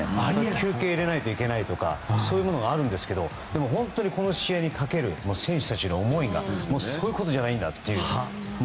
休憩を入れないといけないとかあるんですけど本当にこの試合にかける選手たちの思いがそういうことじゃないんだと。